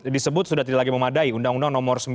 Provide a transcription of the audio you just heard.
disebut sudah tidak lagi memadai undang undang nomor sembilan